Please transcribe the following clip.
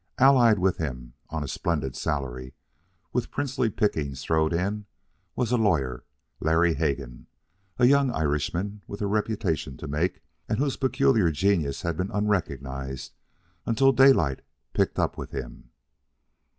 Allied with him, on a splendid salary, with princely pickings thrown in, was a lawyer, Larry Hegan, a young Irishman with a reputation to make, and whose peculiar genius had been unrecognized until Daylight picked up with him.